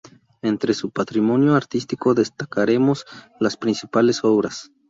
Entre su patrimonio artístico destacaremos las principales obras.